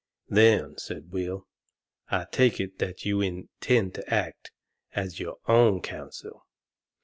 "Then," said Will, "I take it that you intend to act as your own counsel?"